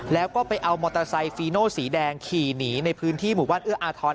แล้วก็ไปเอามอเตอร์ไซค์ฟีโน่สีแดงขี่หนีในพื้นที่หมู่บ้านเอื้ออาทร